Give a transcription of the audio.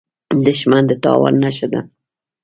• دښمني د تاوان نښه ده.